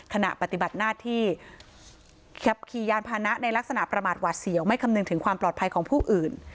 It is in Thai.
ขณะปฏิบัติหน้าที่ขับขี่ยานพานะในลักษณะประมาทหวาดเสียวไม่คำนึงถึงความปลอดภัยของผู้อื่น